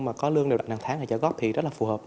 mà có lương đều đặt hàng tháng hay trả góp thì rất là phù hợp